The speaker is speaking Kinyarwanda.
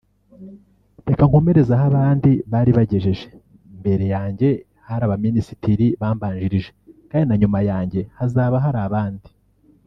reka nkomereze aho abandi bari bagejeje; mbere yanjye hari abaminisitiri bambanjirije kandi na nyuma yanjye hazaba hari abandi